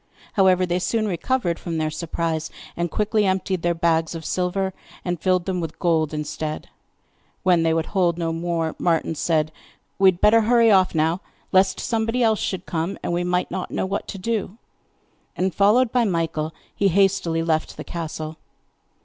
However, they soon recovered from their surprise, and quickly emptied their bags of silver, and filled them with gold instead. When they would hold no more, Martin said: 'We had better hurry off now lest somebody else should come, and we might not know what to do'; and, followed by Michael, he hastily left the castle.